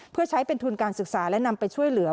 เพื่อใช้เป็นทุนการศึกษาและนำไปช่วยเหลือ